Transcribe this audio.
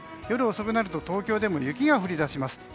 夜遅くなると東京でも雪が降り出します。